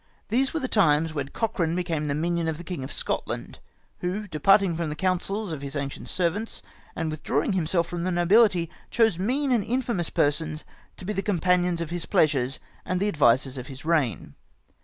" These were the Times when Cochran became the Minion of the King of Scotland, who departing from the Counsels of his ancient Servants, and withdrawing Himself from the Nobility, chose mean and infamous Persons to be the Com panions of his Pleasures, and the Advisers of his Keign.